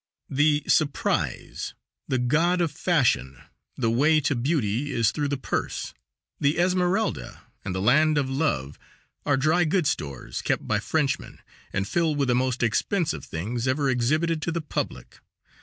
"The Surprise," the "God of Fashion," the "Way to Beauty is Through the Purse," the "Esmerelda" and the "Land of Love" are dry goods stores kept by Frenchmen, and filled with the most expensive things ever exhibited to the public.